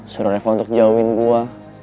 suruh reva untuk jauhin gue